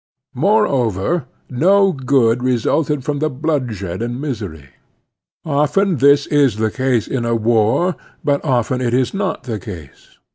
Moreover, no good re sulted from the bloodshed and misery. Often this is the case in a war, but often it is not the case.